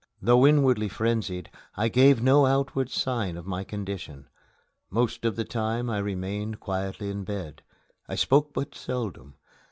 Though inwardly frenzied, I gave no outward sign of my condition. Most of the time I remained quietly in bed. I spoke but seldom.